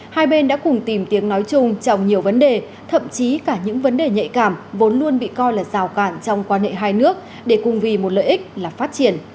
hai bên đã cùng tìm tiếng nói chung trong nhiều vấn đề thậm chí cả những vấn đề nhạy cảm vốn luôn bị coi là rào cản trong quan hệ hai nước để cùng vì một lợi ích là phát triển